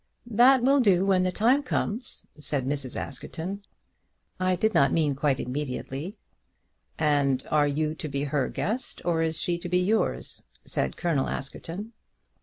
"That will do when the time comes," said Mrs. Askerton. "I did not mean quite immediately." "And are you to be her guest, or is she to be yours?" said Colonel Askerton.